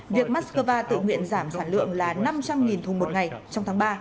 việc moscow tự nguyện giảm sản lượng là năm trăm linh thùng một ngày trong tháng ba